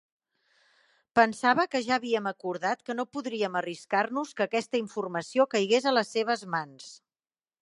Pensava que ja havíem acordat que no podríem arriscar-nos que aquesta informació caigués a les seves mans.